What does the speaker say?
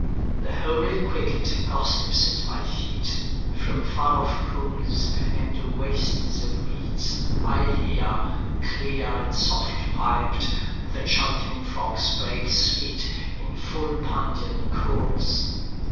10The homely cricket gossips at my feet.11From far off pools and wastes of reeds I hear,12Clear and soft piped, the chanting frogs break sweet13In full Pandean chorus.